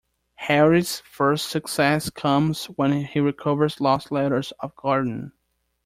Harry's first success comes when he recovers lost letters of Gordon.